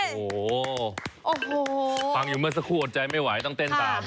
โอ้โหฟังอย่างเมื่อสักครู่อดใจไม่ไหวต้องเต้นตาม